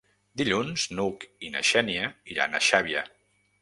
Dilluns n'Hug i na Xènia iran a Xàbia.